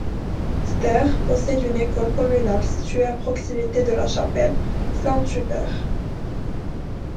Ster possède une école communale située à proximité de la chapelle Saint-Hubert.